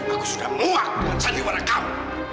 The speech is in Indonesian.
aku sudah muak dengan saliwara kamu